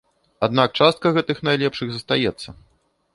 Аднак частка гэтых найлепшых застаецца.